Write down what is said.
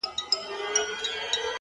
• د خیراتونو یې په غوښو غریبان ماړه وه,